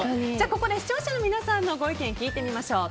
ここで視聴者の皆さんのご意見聞いてみましょう。